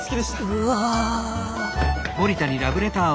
うわ！